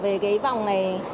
về cái vòng này